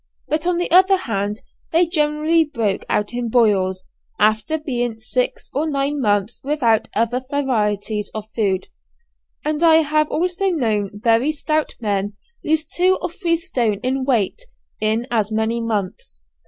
but on the other hand they generally broke out in boils, after being six or nine months without other varieties of food; and I have also known very stout men lose two or three stone in weight in as many months.